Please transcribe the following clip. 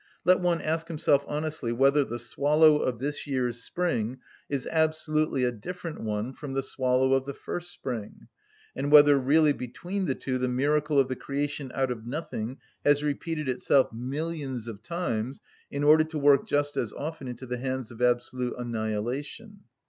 Let one ask himself honestly whether the swallow of this year's spring is absolutely a different one from the swallow of the first spring, and whether really between the two the miracle of the creation out of nothing has repeated itself millions of times, in order to work just as often into the hands of absolute annihilation.